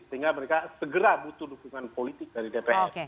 sehingga mereka segera butuh dukungan politik dari dpr